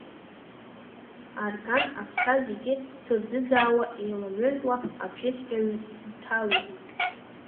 Арган, аԥсҭа зегьы ҭырӡыӡаауа, еиларҩынтуа абжьыцәгьа ҩҭалеит.